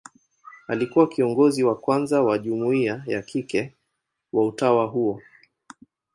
Alikuwa kiongozi wa kwanza wa jumuia ya kike wa utawa huo.